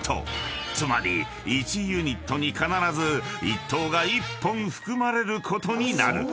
［つまり１ユニットに必ず１等が１本含まれることになる］